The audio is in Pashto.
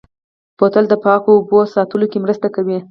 بوتل د پاکو اوبو ساتلو کې مرسته کوي.